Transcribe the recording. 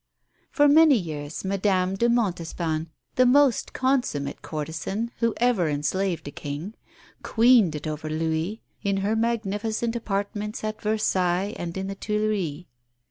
For many years Madame de Montespan, the most consummate courtesan who ever enslaved a King, queened it over Louis in her magnificent apartments at Versailles and in the Tuileries.